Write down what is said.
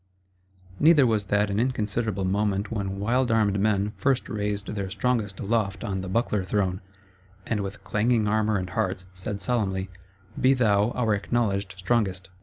Neither was that an inconsiderable moment when wild armed men first raised their Strongest aloft on the buckler throne, and with clanging armour and hearts, said solemnly: Be thou our Acknowledged Strongest!